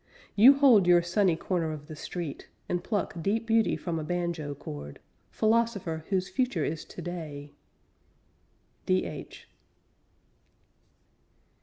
You hold your sunny corner of the street, And pluck deep beauty from a banjo chord: Philosopher whose future is today! D.H.